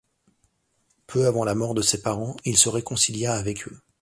Peu avant la mort de ses parents, il se réconcilia avec eux.